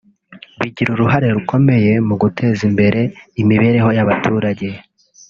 bagira uruhare rukomeye mu guteza imbere imibereho y’abaturage